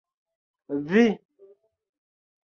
Vi!!!